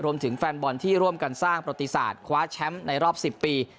รวมถึงแฟนบอลที่ร่วมกันสร้างประติศาสตร์คว้าแชมป์ในรอบ๑๐ปี